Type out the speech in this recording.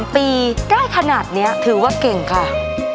๑ปีได้ขนาดนี้ถือว่าเก่งค่ะ